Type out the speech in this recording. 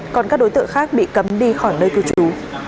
còn các đối tượng khác bị cấm đi khỏi nơi cư trú